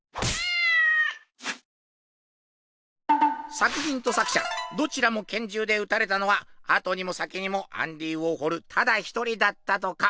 作品と作者どちらも拳銃で撃たれたのはあとにも先にもアンディ・ウォーホールただ一人だったとか。